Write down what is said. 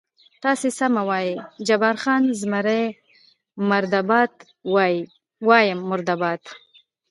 تاسې سمه وایئ، جبار خان: زمري مرده باد، وایم مرده باد.